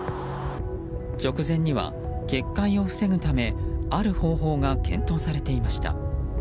直前には決壊を防ぐためある方法が検討されていました。